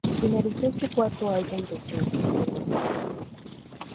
Finalizó su cuarto álbum de estudio: Regresar.